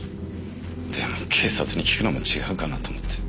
でも警察に聞くのも違うかなと思って。